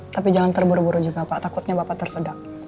tapi jangan terburu buru juga pak takutnya bapak tersedak